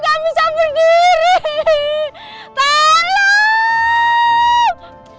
ya allah apa yang terjadi